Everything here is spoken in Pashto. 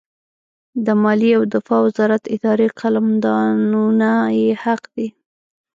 د مالیې او دفاع وزارت اداري قلمدانونه یې حق دي.